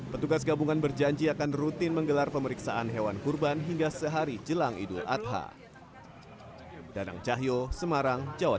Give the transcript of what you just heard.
petugas gabungan berjanji akan rutin menggelar pemeriksaan hewan kurban hingga sehari jelang idul adha